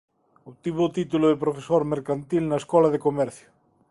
Obtivo o título de profesor mercantil na Escola de Comercio.